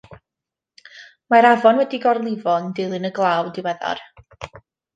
Mae'r afon wedi gorlifo yn dilyn y glaw diweddar.